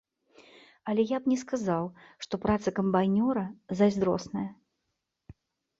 Але я б не сказаў, што праца камбайнера зайздросная.